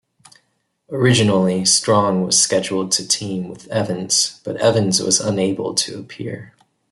Originally, Strong was scheduled to team with Evans, but Evans was unable to appear.